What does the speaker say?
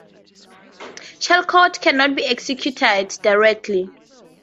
Shellcode cannot be executed directly.